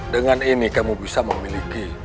dengan ini kamu bisa memiliki